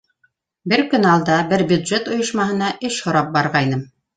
Бер көн алда бер бюджет ойошмаһына эш һорап барғайным.